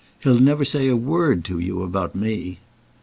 "He'll never say a word to you about me."